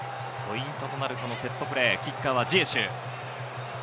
ポイントとなるセットプレー、キッカーはジエシュ。